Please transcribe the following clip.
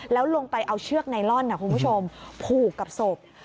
แล้วลงไปเอาเชือกไนลอนคุณผู้ชมผูกกับศพ